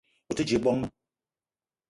O te dje bongo bang ?